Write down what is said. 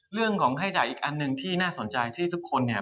เรื่องของค่าจ่ายอีกอันหนึ่งที่น่าสนใจที่ทุกคนเนี่ย